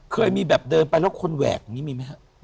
เคยมีแบบเดินไปแล้วคนแหวกมีมั้ยฮะ